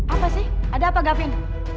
apa sih ada apa gavin